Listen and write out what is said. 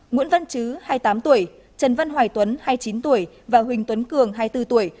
nguyễn văn chứ hai mươi tám tuổi trần văn hoài tuấn hai mươi chín tuổi và huỳnh tuấn cường hai mươi bốn tuổi